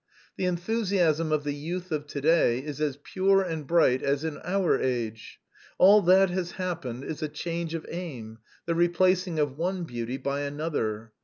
The enthusiasm of the youth of today is as pure and bright as in our age. All that has happened is a change of aim, the replacing of one beauty by another!